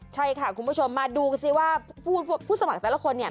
ใช่ค่ะคุณผู้ชมมาดูซิว่าผู้สมัครแต่ละคนเนี่ย